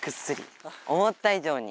思った以上に。